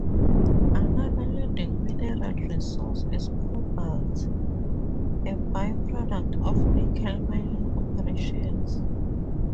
Another leading mineral resource is cobalt, a byproduct of nickel mining operations.